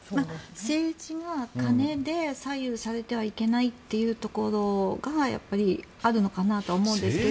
政治は金で左右されてはいけないというところがやっぱりあるのかなと思うんですが。